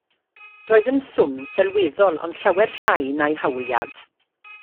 Roedd yn swm sylweddol ond llawer llai na'i hawliad.